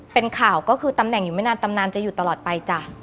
เป็นข่าวก็คือตำแหน่งอยู่ไม่นานตำนานจะอยู่ตลอดไปจ้ะ